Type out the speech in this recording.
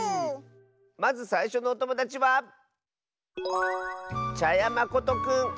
まずさいしょのおともだちはまことくんの。